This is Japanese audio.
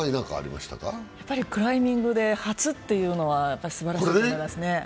クライミングで初っていうのはすばらしいですね。